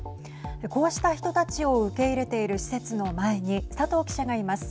こうした人たちを受け入れている施設の前に佐藤記者がいます。